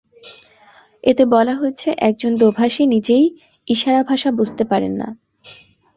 এতে বলা হয়েছে, একজন দোভাষী নিজেই ইশারা ভাষা বুঝতে পারেন না।